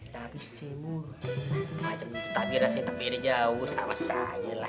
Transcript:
tapi si mu tapi rasanya tapi jauh sama saja lah